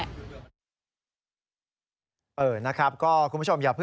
ก็เพื่อป้องกันไว้ก่อนว่าหวยแกอะไรงี้ประมาณนี้แหละ